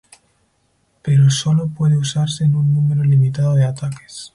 Pero solo puede usarse en un número limitado de ataques.